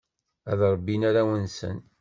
Ad rebbin arraw-nsen.